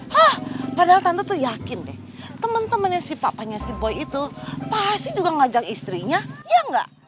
hah padahal tante tuh yakin deh temen temennya si papanya si boy itu pasti juga ngajak istrinya ya gak